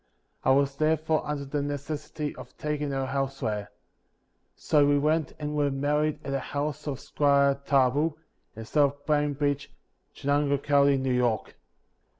I was, therefore, under the necessity of taking her elsewhere; so we went and were married at the house of Squire Tarbill, in South Bainbridge, Chenango county, New York.